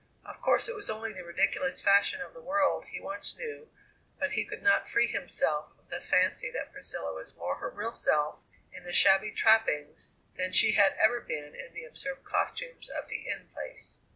Of course it was only the ridiculous fashion of the world he once knew, but he could not free himself of the fancy that Priscilla was more her real self in the shabby trappings than she had ever been in the absurd costumes of the In Place.